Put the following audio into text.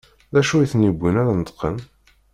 D acu i ten-yewwin ad d-neṭqen?